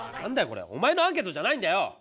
これおまえのアンケートじゃないんだよ！